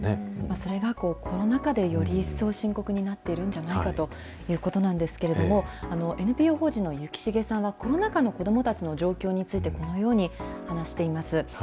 それがコロナ禍でより一層深刻になっているんじゃないかということなんですけれども、ＮＰＯ法人の幸重さんはコロナ禍の子どもたちの状況についてこのように話しています。